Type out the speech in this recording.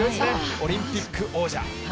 オリンピック王者。